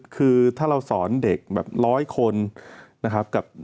คือถ้าเราสอนเด็กแบบร้อยคนนะครับ